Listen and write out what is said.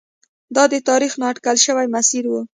دا د تاریخ نا اټکل شوی مسیر و.